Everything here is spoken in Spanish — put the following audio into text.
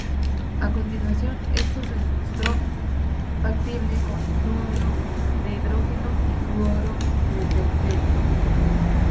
A continuación, eso se demostró factible con fluoruro de hidrógeno y fluoruro de deuterio.